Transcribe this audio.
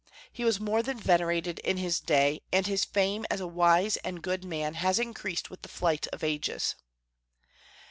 He was more than venerated in his day, and his fame as a wise and good man has increased with the flight of ages.